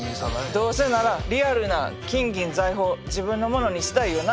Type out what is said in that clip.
どうせならリアルな金銀財宝を自分のものにしたいよな？